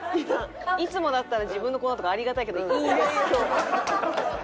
いつもだったら自分のコーナーとかありがたいけどいいです今日は。